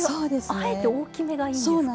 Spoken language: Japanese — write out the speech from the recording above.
あえて大きめがいいんですか？